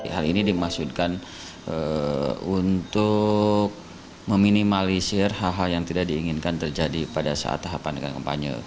hal ini dimaksudkan untuk meminimalisir hal hal yang tidak diinginkan terjadi pada saat tahapan kampanye